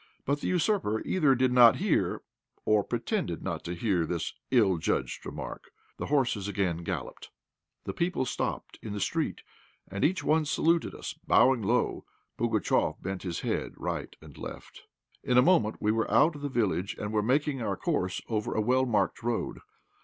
But the usurper either did not hear or pretended not to hear this ill judged remark. The horses again galloped. The people stopped in the street, and each one saluted us, bowing low. Pugatchéf bent his head right and left. In a moment we were out of the village and were taking our course over a well marked road.